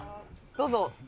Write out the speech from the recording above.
どうぞ。